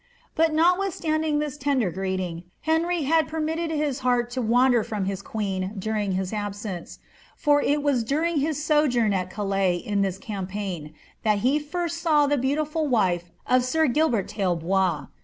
'^ But notwithstanding this tender greet ing, Henry had permitted his heart to wander from his queen during his absence ; for it was during his sojourn at Calais in this campaign, that he first saw the beautiful wife of sir Gilbert Tailbois.